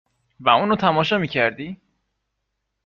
و اونو تماشا می کردی ؟